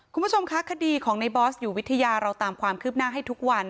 คุณผู้ชมคะคดีของในบอสอยู่วิทยาเราตามความคืบหน้าให้ทุกวัน